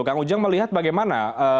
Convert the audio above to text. kang ujang melihat bagaimana